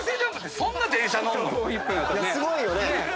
すごいよね。